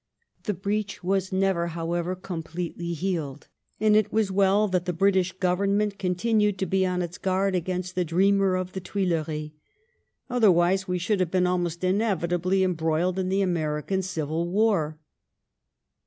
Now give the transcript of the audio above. The breach was, however, never completely healed, and it was well that the British Government continued to be on its guard against the dreamer of the Tuileries ; otherwise, we should have been almost inevitably em* broiled in the American Civil war.